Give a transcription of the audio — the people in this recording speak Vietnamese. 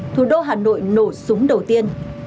thủ đô hà nội nổ súng đầu tiên